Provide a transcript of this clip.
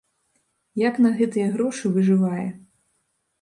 Як на гэтыя грошы выжывае?